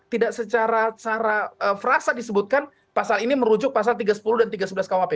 tidak secara frasa disebutkan pasal ini merujuk pasal tiga puluh tiga sebelas dan pasal tiga puluh tiga sebelas kuhp